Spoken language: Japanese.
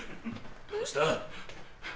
どうした？